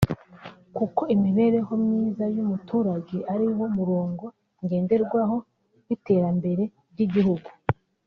kuko imibereho myiza y’umuturage ari wo murongo ngenderwaho w’iterambere ry’igihugu